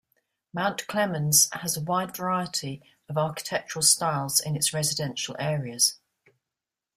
Mount Clemens has a wide variety of architectural styles in its residential areas.